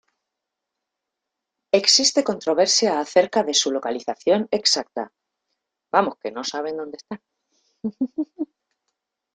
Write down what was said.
Existe controversia acerca de su localización exacta.